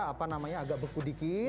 apa namanya agak beku dikit